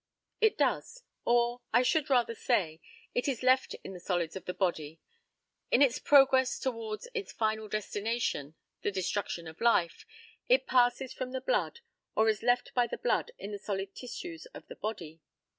It does; or, I should rather say, it is left in the solids of the body. In its progress towards its final destination, the destruction of life, it passes from the blood, or is left by the blood in the solid tissues of the body.